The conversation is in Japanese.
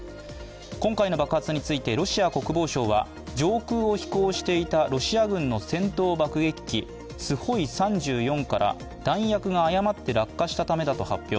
今回の爆発についてロシア国防省は、上空を飛行していたロシア軍の戦闘爆撃機スホイ３４から弾薬が誤って落下したためだと発表。